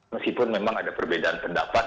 meskipun memang ada perbedaan pendapat